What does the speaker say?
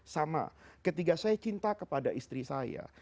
sama ketika saya cinta kepada istri saya